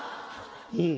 うん。